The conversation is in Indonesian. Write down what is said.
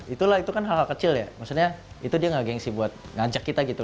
itulah itu kan hal hal kecil ya maksudnya itu dia nggak gengsi buat ngajak kita gitu